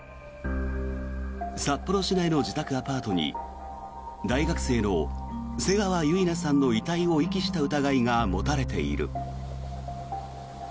札幌市内の自宅アパートに大学生の瀬川結菜さんの遺体を遺棄した疑いが持たれている。